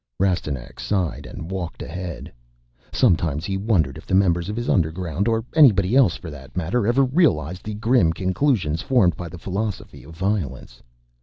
Rastignac sighed and walked ahead. Sometimes he wondered if the members of his underground or anybody else for that matter ever realized the grim conclusions formed by the Philosophy of Violence.